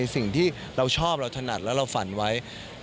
สิ่งที่เราชอบเราถนัดแล้วเราฝันไว้